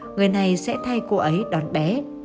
người này sẽ thay cô ấy đón bé